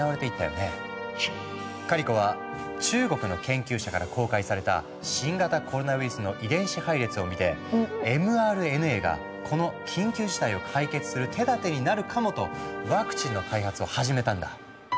カリコは中国の研究者から公開された新型コロナウイルスの遺伝子配列を見てｍＲＮＡがこの緊急事態を解決する手だてになるかもとワクチンの開発を始めたんだ。